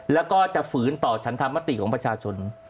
แล้วก็จะฝืนต่อฉันธรรมติของประชาชน